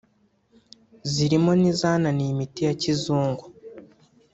zirimo n’izananiye imiti ya kizungu